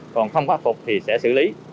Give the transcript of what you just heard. còn không khắc phục thì sẽ xử lý